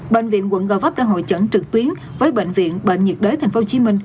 bệnh viện quận gò vấp đã hội trần trực tuyến với bệnh viện bệnh nhiệt đới tp hcm